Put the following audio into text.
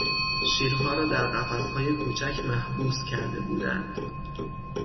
شیرها را در قفسهای کوچک محبوس کرده بودند.